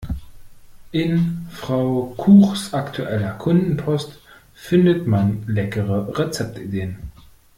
In Frau Kuchs aktueller Kundenpost findet man leckere Rezeptideen.